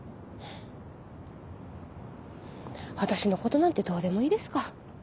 私のことなんてどうでもいいですか。